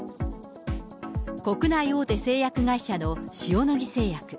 国内大手製薬会社の塩野義製薬。